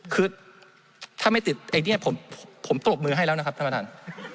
คือถ้าไม่ติดไอ้เนี่ยผมปรบมือให้แล้วนะครับท่านประธาน